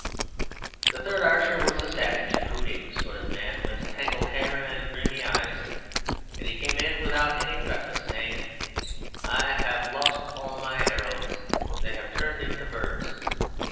The third archer was a savage, brooding sort of man with tangled hair and dreamy eyes, and he came in without any preface, saying, "I have lost all my arrows. They have turned into birds."